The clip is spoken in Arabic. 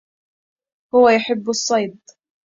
هو يحب الصيد.